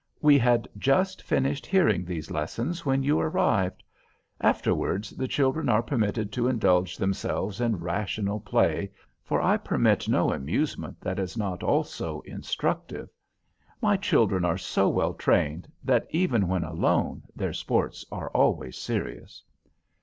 We had just finished hearing these lessons when you arrived. Afterwards the children are permitted to indulge themselves in rational play, for I permit no amusement that is not also instructive. My children are so well trained, that even when alone their sports are always serious."